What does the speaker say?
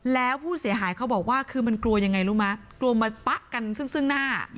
แล้วผู้เสียหายเขาบอกว่าคือมันกลัวยังไงรู้ไหมกลัวมาปะกันซึ่งซึ่งหน้า